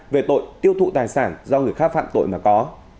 về tội tiêu thụ tài sản do người khác phạm tội mà có